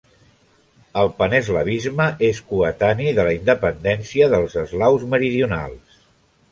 El paneslavisme és coetani de la independència dels eslaus meridionals.